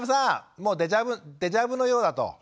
もうデジャブのようだと。